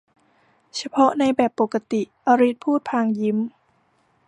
เฉพาะในแบบปกติ อลิสพูดพลางยิ้ม